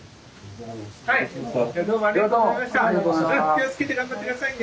気を付けて頑張って下さいね。